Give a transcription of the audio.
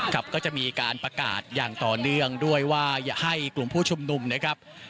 ครับก็จะมีการประกาศอย่างต่อเนื่องด้วยว่าอย่าให้กลุ่มผู้ชุมนุมนะครับ